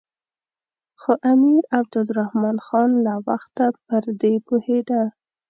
خو امیر عبدالرحمن خان له وخته پر دې پوهېده.